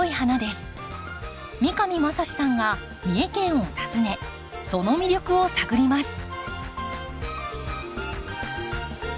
三上真史さんが三重県を訪ねその魅力を探ります。